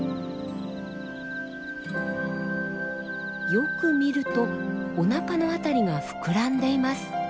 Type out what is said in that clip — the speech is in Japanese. よく見るとおなかのあたりが膨らんでいます。